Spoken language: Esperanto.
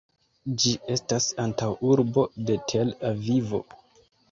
Ĝi estas antaŭurbo de Tel-Avivo.